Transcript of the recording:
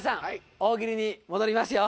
大喜利に戻りますよ。